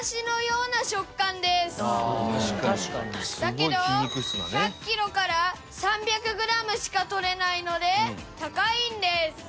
だけど１００キロから３００グラムしか取れないので高いんです。